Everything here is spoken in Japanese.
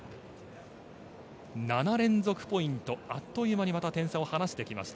７連続ポイントあっという間にまた点差を離してきました。